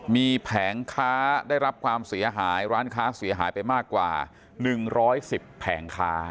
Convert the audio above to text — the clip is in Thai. มีแผงค้าได้รับความเสียหายร้านค้าเสียหายไปมากกว่า๑๑๐แผงค้า